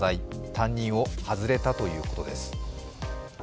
担任を外れたということです。